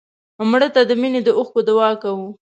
مړه ته د مینې د اوښکو دعا کوو